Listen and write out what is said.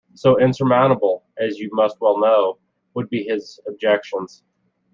So insurmountable, as you must well know, would be his objections.